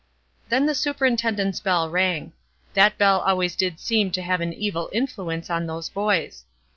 Then the superintendent's bell rang. That bell always did seem to have an evil influence on those boys.